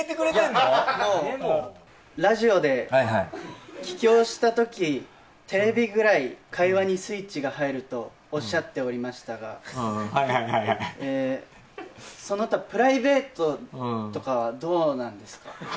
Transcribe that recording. ラジオで、帰郷したとき、テレビぐらい会話にスイッチが入るとおっしゃっておりましたが、その他、プライベートとかはどうなんですか？